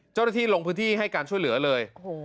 เจ้าหน้าที่ลงพื้นที่ให้การช่วยเหลือเลย